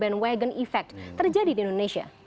bandwagon effect terjadi di indonesia